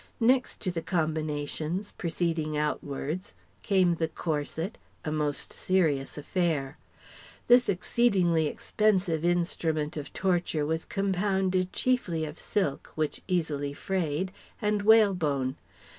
Next to the combinations, proceeding outwards, came the corset, a most serious affair. This exceedingly expensive instrument of torture was compounded chiefly of silk (which easily frayed) and whale bone.